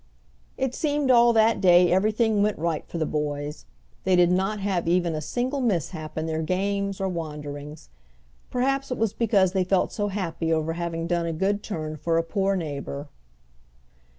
It seemed all that day everything went right for the boys; they did not have even a single mishap in their games or wanderings. Perhaps it was because they felt so happy over having done a good turn for a poor neighbor.